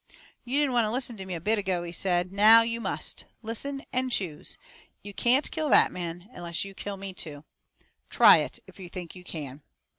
"You didn't want to listen to me a bit ago," he said. "Now you must. Listen and choose. You can't kill that man unless you kill me too. "TRY IT, IF YOU THINK YOU CAN!"